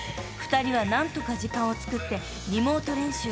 ２人は何とか時間をつくってリモート練習］